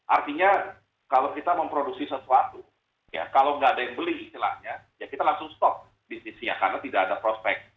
artinya kalau kita memproduksi sesuatu ya kalau nggak ada yang beli istilahnya ya kita langsung stop bisnisnya karena tidak ada prospek